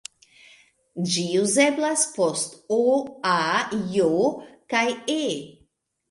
Ĝi uzeblas post "-o", "-a", "-j" kaj "-e".